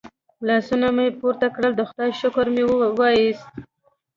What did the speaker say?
لاسونه مې پورته کړل د خدای شکر مو وایست.